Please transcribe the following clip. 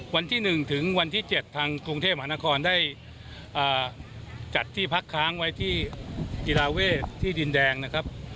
วันที่๑ถึงวันที่๗ทางกรุงเทพมหานครได้จัดที่พักค้างไว้ที่กีฬาเวทที่ดินแดงนะครับ